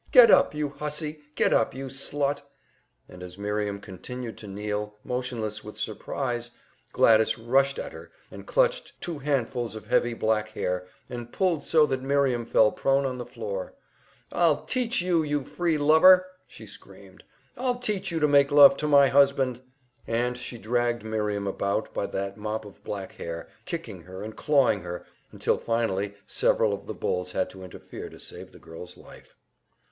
"Get up, you hussy! Get up, you slut!" And as Miriam continued to kneel, motionless with surprise, Gladys rushed at her, and clutched two handfuls of her heavy black hair, and pulled so that Miriam fell prone on the floor. "I'll teach you, you free lover!" she screamed. "I'll teach you to make love to my husband!" And she dragged Miriam about by that mop of black hair, kicking her and clawing her, until finally several of the bulls had to interfere to save the girl's life.